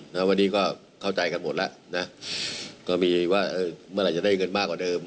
แต่วันนี้ก็เข้าใจกันหมดละนะ